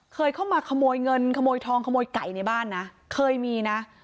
เคยเข้ามาขโมยเงินขโมยทองขโมยไก่ในบ้านนะเคยมีนะ